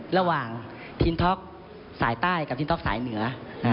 ระหว่างทีนท็อกสายใต้กับทินท็อกสายเหนือ